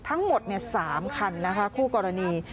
ทั้งหมด๓คันนะคะคู่กรณี